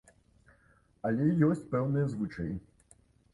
Але ёсць пэўныя звычаі.